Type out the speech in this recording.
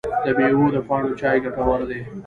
د میوو د پاڼو چای ګټور دی؟